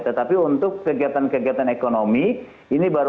tetapi untuk kegiatan kegiatan ekonomi ini baru